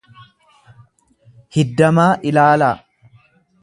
hiddamaa ilaalaa.